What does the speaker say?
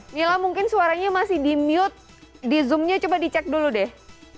mila mungkin suaranya masih di mute di zoomnya coba dicek dulu deh